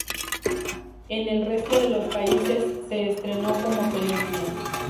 En el resto de los países se estrenó como película.